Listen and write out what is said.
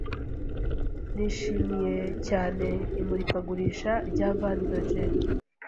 Nishimiye cyane imurikagurisha rya Van Dorgen.